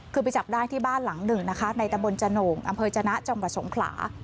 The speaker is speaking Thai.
คือไปจับได้ที่บ้านหลังหนึ่งนะคะในตะบนจโหน่งอำเภอจนะจังหวัดสงขลา